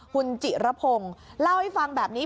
คุณจิระพงศ์เล่าให้ฟังแบบนี้